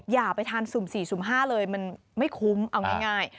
อย่าไปทานสุ่ม๔สุ่ม๕เลยมันไม่คุ้มเอาง่าย